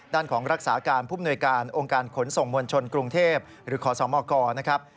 ด้านของรักษาการผู้มนวยการองค์การขนส่งมวลชนกรุงเทพหรือขอสมกนะครับ